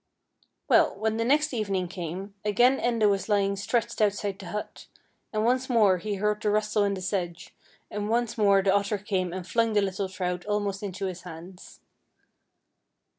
Well, when the next evening came, again Enda was lying stretched outside the hut, and once more he heard the rustle in the sedge, and once more the otter came and flung the little trout almost into his hands.